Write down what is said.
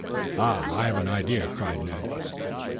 "Ah! I have an idea," cried Ned.